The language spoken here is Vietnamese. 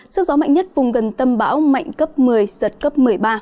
sức gió mạnh nhất vùng gần tâm bão mạnh cấp một mươi giật cấp một mươi ba